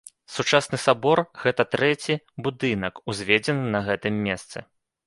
Сучасны сабор гэта трэці будынак, узведзены на гэтым месцы.